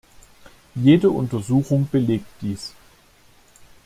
Jede Untersuchung belegt dies.